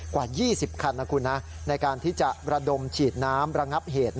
กว่า๒๐คันนะคุณในการที่จะระดมฉีดน้ำระงับเหตุ